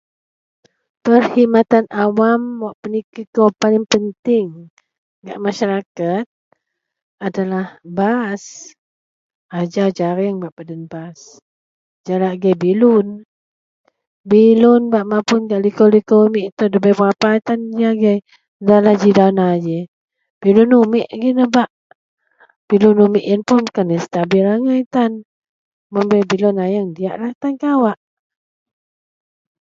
Perkhidmatan awam wak penikir kou paling penting gak maseraket adalah bas, ajau jareng bak peden bas, jalak agei bilun. Bilun bak mapun gak likou-likou umik nda bei berapa tan agei ndalah ji dana ji, bilun umik agei nebak. Bilun umik yen puun bukan nya stabil angai tan. Mun bei bilun ayeng diyak angai tan kawak